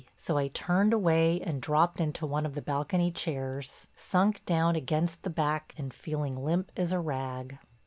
So I turned away and dropped into one of the balcony chairs, sunk down against the back and feeling limp as a rag.